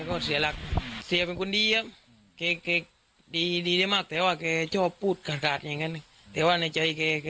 บอกให้ไม่ได้จริงแต่ว่า